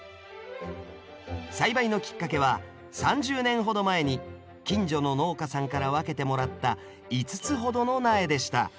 栽培のきっかけは３０年ほど前に近所の農家さんから分けてもらった５つほどの苗でした。